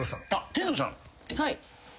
天童さん。